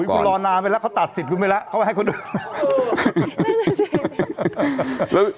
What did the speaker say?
อุ๋ยกูรอนานไปแล้วเขาตัดสิทธิ์กูไปแล้วเขามาให้คุณดู